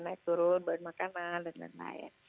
naik turun buat makanan dan lain lain